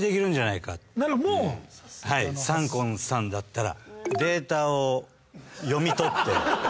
はいサンコンさんだったら。